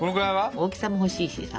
大きさも欲しいしさ。